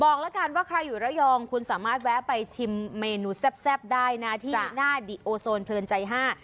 บอกแล้วกันว่าใครอยู่ระยองคุณสามารถแวะไปชิมเมนูแซ่บได้นะที่หน้าดิโอโซนเพลินใจห้า